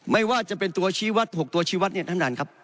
ไม่ว่าจะเป็นตัวชี้วัฒน์หกตัวชี้วัฒน์นี้